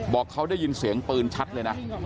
บอกเขาได้ยินเสียงปืนชัดเลยนะ